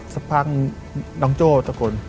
สักครั้งน้องโจ้ตกล